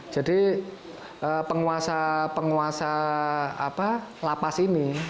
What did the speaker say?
jadi penguasa lapas ini